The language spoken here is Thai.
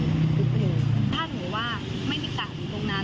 ส่งเพียงการมีความได้ความเรื่อง